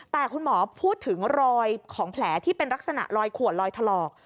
แต่คุณหมอพูดถึงรอยของแผลที่เป็นลักษณะรอยขวดลอยถลอก